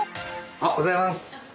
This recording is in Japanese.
おはようございます。